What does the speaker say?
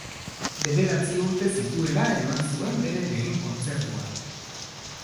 Bederatzi urte zituela eman zuen bere lehen kontzertua.